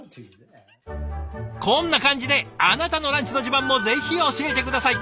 こんな感じであなたのランチの自慢もぜひ教えて下さい。